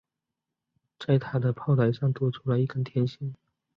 在它的炮塔上多出了一根天线。